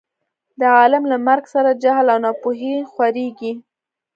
د عالم له مرګ سره جهل او نا پوهي خورېږي.